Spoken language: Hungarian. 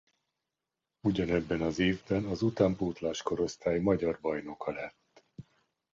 Ugyanebben az évben az utánpótlás korosztály magyar bajnoka lett.